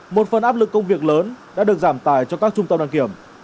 một phần áp lực công việc lớn đã được giảm tài cho các trung tâm đăng kiểm